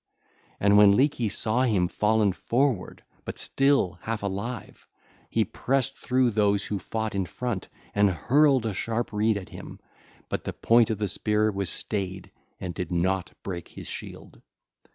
((LACUNA)) (ll. 252 259) And when Leeky saw him fallen forward, but still half alive, he pressed through those who fought in front and hurled a sharp reed at him; but the point of the spear was stayed and did not break his shield.